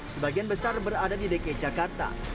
sebagian besar berada di dki jakarta